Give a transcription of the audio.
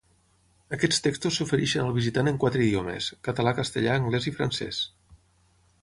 Aquests textos s'ofereixen al visitant en quatre idiomes: català, castellà, anglès i francès.